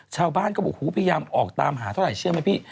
ชาวบ้านก็บอกหูพยายามออกตามหาเท่าไหร่เชื่อไหมพี่